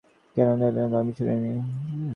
গোরা কহিল, না, আমি শুনি নি।